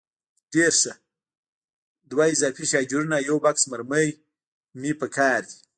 ډېر ښه، دوه اضافي شاجورونه او یو بکس مرمۍ مې هم په کار دي.